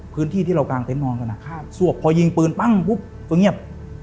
พื้นที่ที่เรากางเต็นนอนกันสวบพอยิงปืนปั้งปุ๊บก็เงียบ